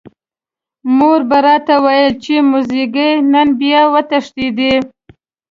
مور به راته ویل چې موزیګیه نن بیا وتښتېدې.